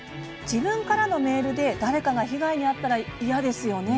自分からのメールで、誰かが被害に遭ったら嫌ですよね。